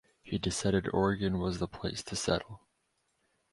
He decided Oregon was the place to settle.